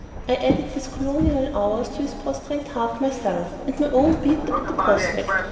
I added his colonial honours to his prostrate heart myself, and my own beat at the prospect.